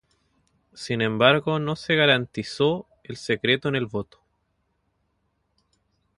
Sin embargo no se garantizó el secreto en el voto.